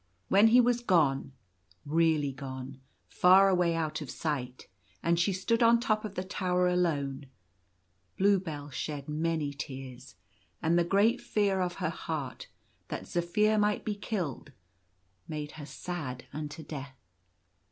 When he was gone, really gone, far away out of sight, and she stood on the top of the tower alone, Bluebell shed many tears ; and the great fear of her heart that Zaphir might be killed made her sad unto death.